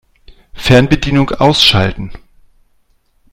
Fernbedienung ausschalten.